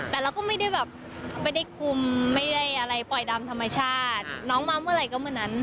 แต่เราก็ไม่ได้แบบไม่ได้คุมไม่ได้อะไรปล่อยตามธรรมชาติน้องมาเมื่อไหร่ก็เมื่อนั้น